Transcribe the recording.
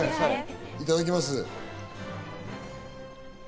いただきます！